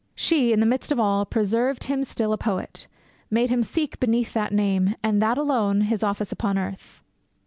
She, in the midst of all, preserved him still A poet; made him seek beneath that name, And that alone, his office upon earth.